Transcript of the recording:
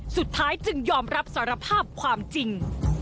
สุดท้ายจึงยอมรับสารภาพความจริง